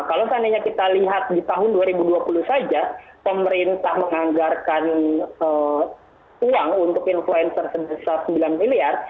kalau seandainya kita lihat di tahun dua ribu dua puluh saja pemerintah menganggarkan uang untuk influencer sebesar sembilan miliar